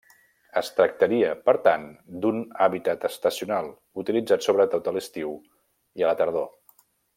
Es tractaria, per tant, d'un hàbitat estacional, utilitzat sobretot a l'estiu i la tardor.